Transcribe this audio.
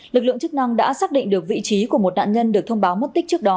lực lượng chức năng đã xác định được vị trí của một nạn nhân được thông báo mất tích trước đó